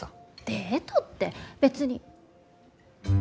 デートって別に。